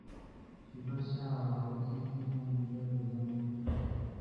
项目由兴业建筑师有限公司设计。